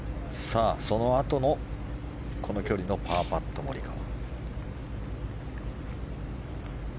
そのあとのこの距離のパーパットモリカワ。